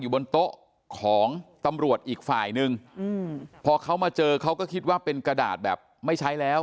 บนโต๊ะของตำรวจอีกฝ่ายนึงอืมพอเขามาเจอเขาก็คิดว่าเป็นกระดาษแบบไม่ใช้แล้ว